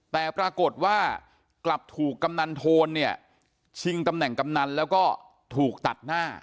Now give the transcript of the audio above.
แต่ปรากฏว่ากลับถูกกำนันโทนเนี่ยชิงตำแหน่งกำนันแล้วก็ถูกตัดหน้า